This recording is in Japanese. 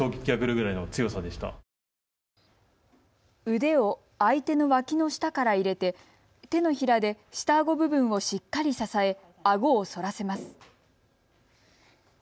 腕を相手のわきの下から入れて手のひらで下あご部分をしっかり支え、あごを反らせます。